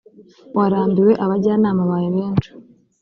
warambiwe abajyanama bawe benshi